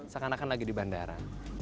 seakan akan lagi di bandara